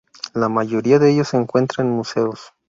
La mayoría de ellos se encuentran en museos.